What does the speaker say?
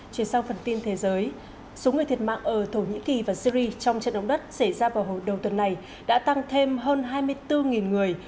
chuyển sang phần tin thế giới số người thiệt mạng ở thổ nhĩ kỳ và syri trong trận động đất xảy ra vào hồi đầu tuần này đã tăng thêm hơn hai mươi bốn người